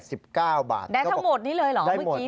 ได้ทั้งหมดนี้เลยเหรอเมื่อกี้